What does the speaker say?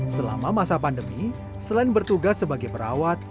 selama masa pandemi selain bertugas sebagai perawat